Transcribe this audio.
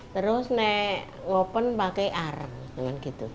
terus saya open pakai arang